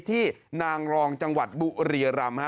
นางรองจังหวัดบุรียรำ